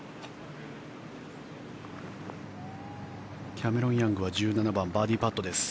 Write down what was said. キャメロン・ヤングは１７番、バーディーパットです。